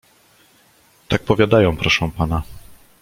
"Tak powiadają, proszę pana."